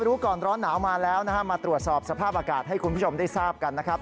รู้ก่อนร้อนหนาวมาแล้วนะฮะมาตรวจสอบสภาพอากาศให้คุณผู้ชมได้ทราบกันนะครับ